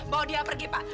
bawa dia pergi pak